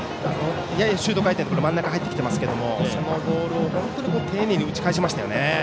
ややシュート回転して真ん中に入っていますがそのボールを丁寧に打ち返しましたね。